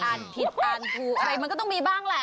ผิดอ่านถูกอะไรมันก็ต้องมีบ้างแหละ